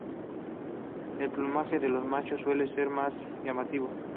El plumaje de los machos suele ser más llamativo.